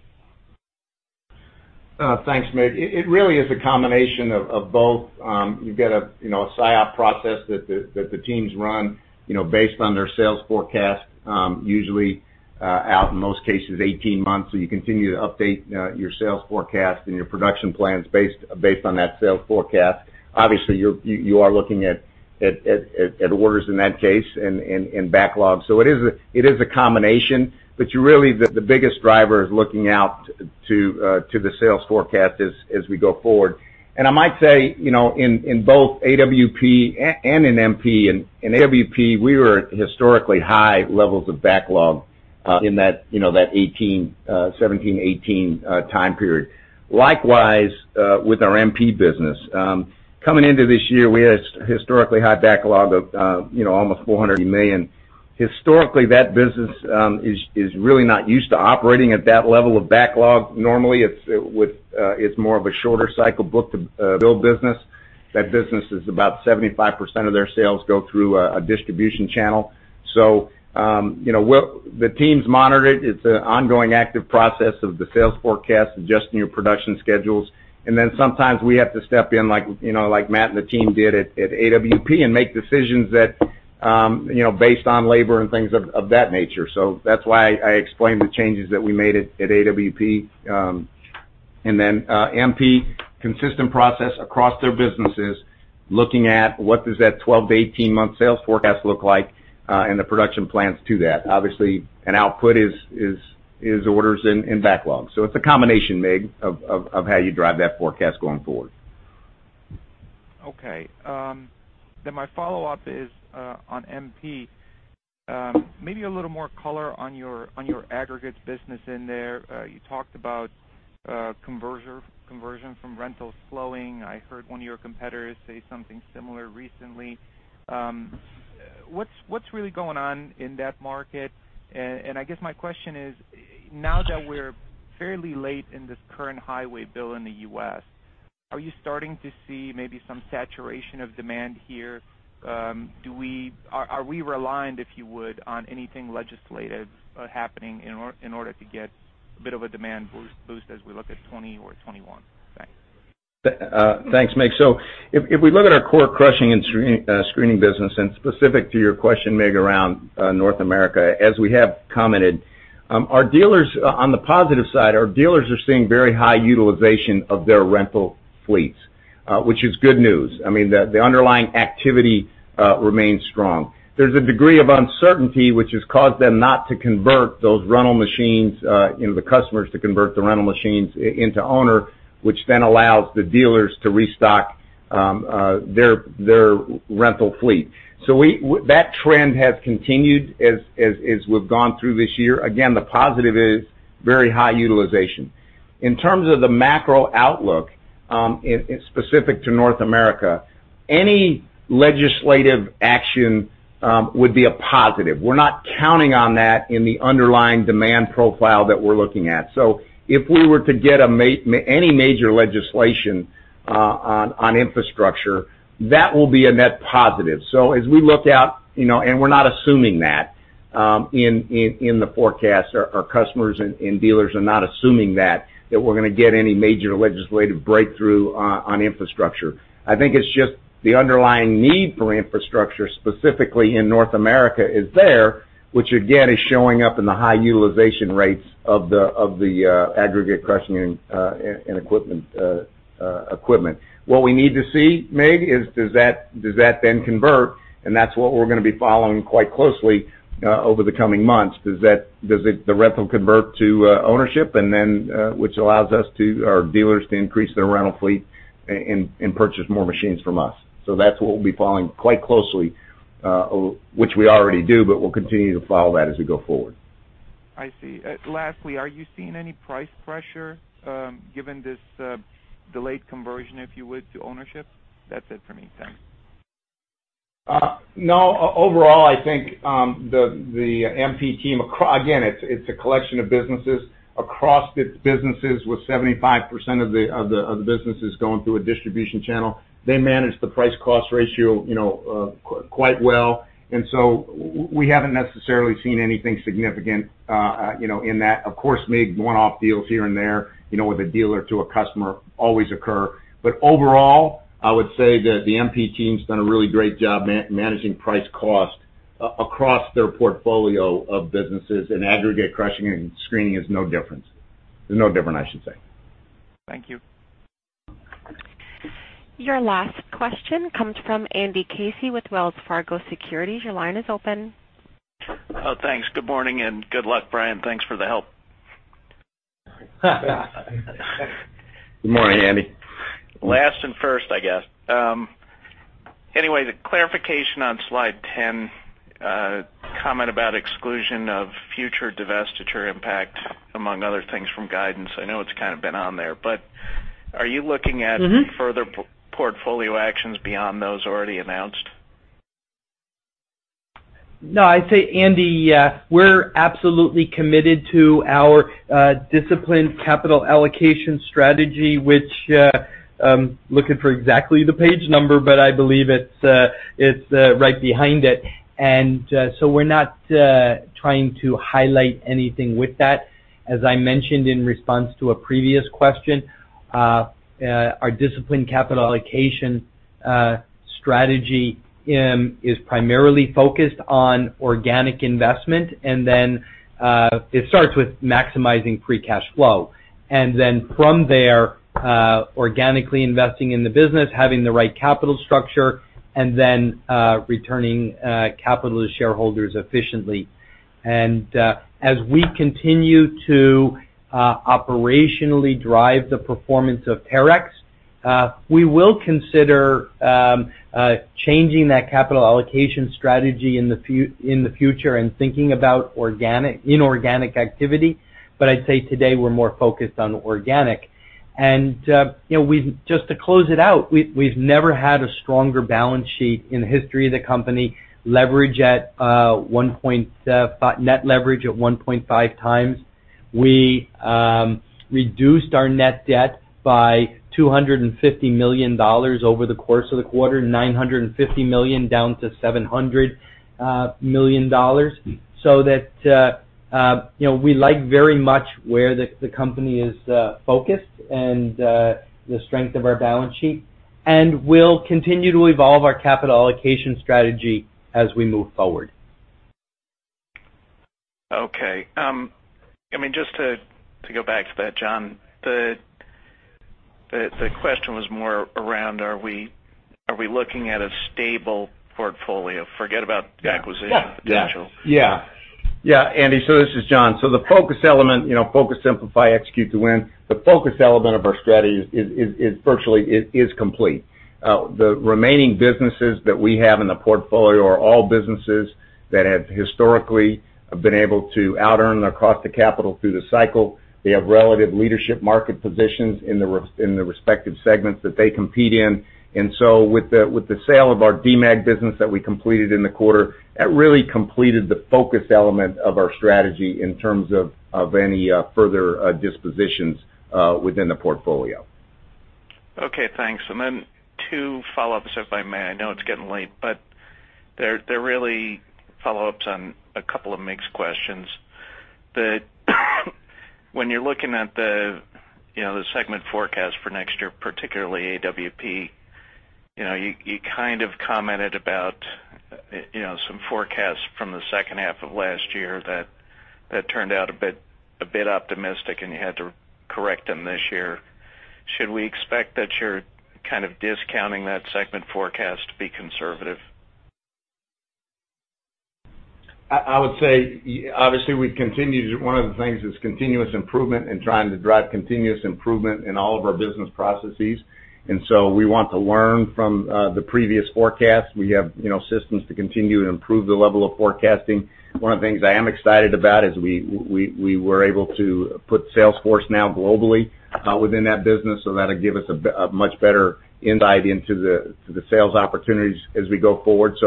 Thanks, Mig. It really is a combination of both. You've got a SIOP process that the teams run based on their sales forecast usually out, in most cases, 18 months. You continue to update your sales forecast and your production plans based on that sales forecast. Obviously, you are looking at orders in that case and backlog. It is a combination, but really the biggest driver is looking out to the sales forecast as we go forward. I might say, in both AWP and in MP. In AWP, we were at historically high levels of backlog in that 2017, 2018 time period. Likewise, with our MP business. Coming into this year, we had a historically high backlog of almost $400 million. Historically, that business is really not used to operating at that level of backlog. Normally, it's more of a shorter cycle book-to-bill business. That business is about 75% of their sales go through a distribution channel. The teams monitor it. It's an ongoing active process of the sales forecast, adjusting your production schedules. Sometimes we have to step in like Matt and the team did at AWP and make decisions based on labor and things of that nature. That's why I explained the changes that we made at AWP. MP, consistent process across their businesses, looking at what does that 12 to 18 month sales forecast look like and the production plans to that. Obviously, an output is orders and backlog. It's a combination, Mig, of how you drive that forecast going forward. My follow-up is on MP. Maybe a little more color on your aggregates business in there. You talked about conversion from rentals slowing. I heard one of your competitors say something similar recently. What's really going on in that market? I guess my question is, now that we're fairly late in this current highway bill in the U.S., are you starting to see maybe some saturation of demand here? Are we reliant, if you would, on anything legislative happening in order to get a bit of a demand boost as we look at 2020 or 2021? Thanks. Thanks, Mig. If we look at our core crushing and screening business, and specific to your question, Mig, around North America, as we have commented, on the positive side, our dealers are seeing very high utilization of their rental fleets. Which is good news. I mean, the underlying activity remains strong. There's a degree of uncertainty which has caused them not to convert those rental machines, the customers to convert the rental machines into owner, which then allows the dealers to restock their rental fleet. That trend has continued as we've gone through this year. Again, the positive is very high utilization. In terms of the macro outlook, specific to North America, any legislative action would be a positive. We're not counting on that in the underlying demand profile that we're looking at. If we were to get any major legislation on infrastructure, that will be a net positive. As we look out, and we're not assuming that in the forecast, our customers and dealers are not assuming that we're going to get any major legislative breakthrough on infrastructure. I think it's just the underlying need for infrastructure, specifically in North America, is there, which again is showing up in the high utilization rates of the aggregate crushing and equipment. What we need to see, Mig, is does that then convert? That's what we're going to be following quite closely over the coming months. Does the rental convert to ownership? Then, which allows our dealers to increase their rental fleet and purchase more machines from us. That's what we'll be following quite closely, which we already do, but we'll continue to follow that as we go forward. I see. Lastly, are you seeing any price pressure given this delayed conversion, if you would, to ownership? That's it for me. Thanks. No. Overall, I think the MP team, again, it's a collection of businesses across its businesses with 75% of the businesses going through a distribution channel. They manage the price cost ratio quite well. So we haven't necessarily seen anything significant in that. Of course, Mig, one-off deals here and there, with a dealer to a customer always occur. Overall, I would say that the MP team's done a really great job managing price cost across their portfolio of businesses, and aggregate crushing and screening is no different. There's no different, I should say. Thank you. Your last question comes from Andrew Casey with Wells Fargo Securities. Your line is open. Thanks. Good morning and good luck, Brian. Thanks for the help. Good morning, Andy. Last and first, I guess. Anyway, the clarification on slide 10 comment about exclusion of future divestiture impact among other things from guidance. I know it's kind of been on there, but are you looking at further portfolio actions beyond those already announced? I'd say, Andy, we're absolutely committed to our disciplined capital allocation strategy, which I'm looking for exactly the page number, but I believe it's right behind it. We're not trying to highlight anything with that. As I mentioned in response to a previous question, our disciplined capital allocation strategy is primarily focused on organic investment, and then it starts with maximizing free cash flow. From there, organically investing in the business, having the right capital structure, and then returning capital to shareholders efficiently. As we continue to operationally drive the performance of Terex, we will consider changing that capital allocation strategy in the future and thinking about inorganic activity. I'd say today we're more focused on organic. Just to close it out, we've never had a stronger balance sheet in the history of the company, net leverage at 1.5 times. We reduced our net debt by $250 million over the course of the quarter, $950 million down to $700 million. That we like very much where the company is focused and the strength of our balance sheet. We'll continue to evolve our capital allocation strategy as we move forward. Okay. I mean, just to go back to that, John, the question was more around are we looking at a stable portfolio? Forget about acquisition potential. Andy, this is John. The focus element, focus, simplify, Execute to Win, the focus element of our strategy virtually is complete. The remaining businesses that we have in the portfolio are all businesses that have historically been able to out-earn their cost of capital through the cycle. They have relative leadership market positions in the respective segments that they compete in. With the sale of our Demag business that we completed in the quarter, that really completed the focus element of our strategy in terms of any further dispositions within the portfolio. Okay, thanks. Two follow-ups, if I may. I know it's getting late, but they're really follow-ups on a couple of mixed questions. When you're looking at the segment forecast for next year, particularly AWP. You kind of commented about some forecasts from the second half of last year that turned out a bit optimistic, and you had to correct them this year. Should we expect that you're kind of discounting that segment forecast to be conservative? I would say, obviously, one of the things is continuous improvement and trying to drive continuous improvement in all of our business processes. We want to learn from the previous forecast. We have systems to continue to improve the level of forecasting. One of the things I am excited about is we were able to put Salesforce now globally within that business, so that'll give us a much better insight into the sales opportunities as we go forward.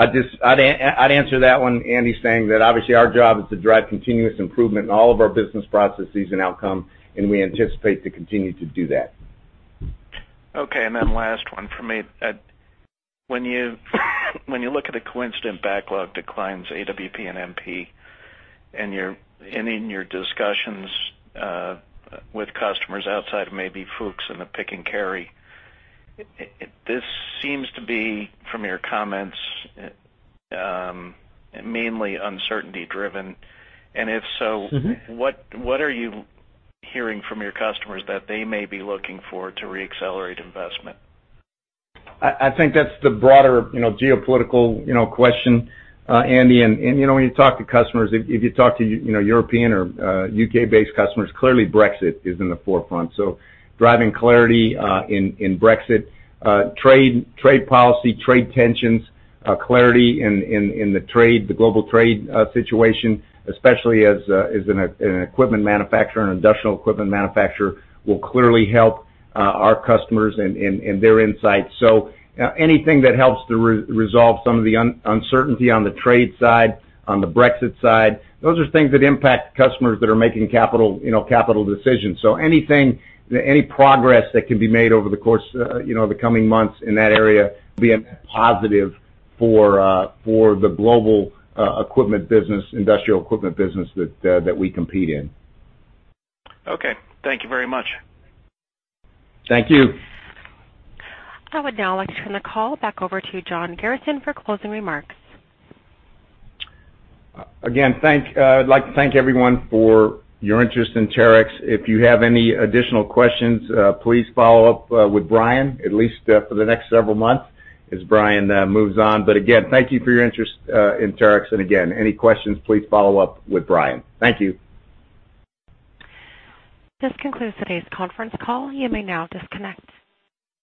I'd answer that one, Andy, saying that obviously our job is to drive continuous improvement in all of our business processes and outcome, and we anticipate to continue to do that. Okay, last one from me. When you look at a coincident backlog declines AWP and MP, in your discussions with customers outside of maybe Fuchs and the pick and carry, this seems to be, from your comments, mainly uncertainty driven. What are you hearing from your customers that they may be looking for to re-accelerate investment? I think that's the broader geopolitical question, Andy. When you talk to customers, if you talk to European or U.K.-based customers, clearly Brexit is in the forefront. Driving clarity in Brexit, trade policy, trade tensions, clarity in the global trade situation, especially as an equipment manufacturer, an industrial equipment manufacturer, will clearly help our customers and their insights. Anything that helps to resolve some of the uncertainty on the trade side, on the Brexit side, those are things that impact customers that are making capital decisions. Any progress that can be made over the course of the coming months in that area will be a positive for the global equipment business, industrial equipment business that we compete in. Okay. Thank you very much. Thank you. I would now like to turn the call back over to John Garrison for closing remarks. Again, I'd like to thank everyone for your interest in Terex. If you have any additional questions, please follow up with Brian, at least for the next several months as Brian moves on. Again, thank you for your interest in Terex. Again, any questions, please follow up with Brian. Thank you. This concludes today's conference call. You may now disconnect.